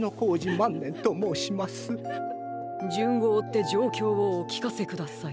じゅんをおってじょうきょうをおきかせください。